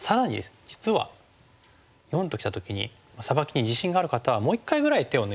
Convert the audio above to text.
実は④ときた時にサバキに自信がある方はもう一回ぐらい手を抜いても。